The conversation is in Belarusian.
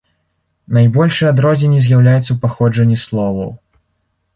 Найбольшыя адрозненні з'яўляюцца ў паходжанні словаў.